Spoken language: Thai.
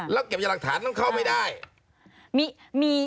แล้วเก็บจากหลักฐานต้องเข้าไม่ได้